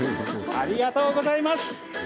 ありがとうございます。